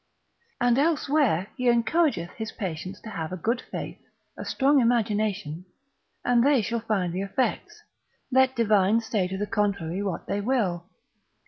And elsewhere he encourageth his patients to have a good faith, a strong imagination, and they shall find the effects: let divines say to the contrary what they will.